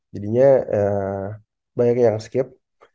jadinya banyak yang skip